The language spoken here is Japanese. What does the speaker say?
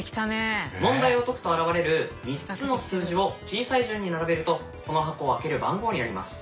問題を解くと現れる３つの数字を小さい順に並べるとこの箱を開ける番号になります。